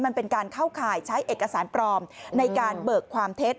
มันเป็นการเข้าข่ายใช้เอกสารปลอมในการเบิกความเท็จ